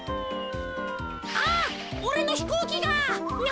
あおれのひこうきが！